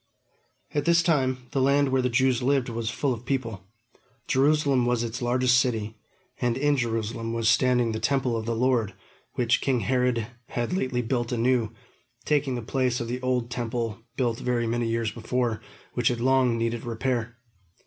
At this time, the land where the Jews lived was full of people. Jerusalem was its largest city, and in Jerusalem was standing the Temple of the Lord, which king Herod had lately built anew, taking the place of the old Temple built very many years before, which had long needed repair.